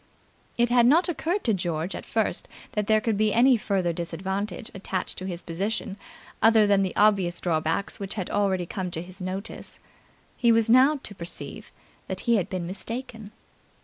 It had not occurred to George at first that there could be any further disadvantage attached to his position other than the obvious drawbacks which had already come to his notice. He was now to perceive that he had been mistaken.